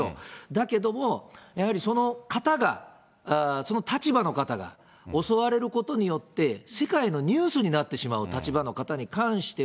だけども、やはりその方が、その立場の方が襲われることによって、世界のニュースになってしまう立場の方に関しては。